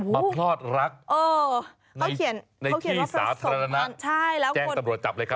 มาพลอดรักในที่สาธารณะแจ้งตำรวจจับเลยครับเออเออเขาเขียนมาผสมพันธุ์ใช่แล้วคุณ